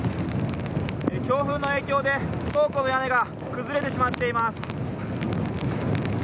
強風の影響で倉庫の屋根が崩れてしまっています。